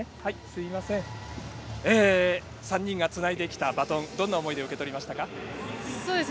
３人がつないできたバトン、どんな思いで受け取りましたか？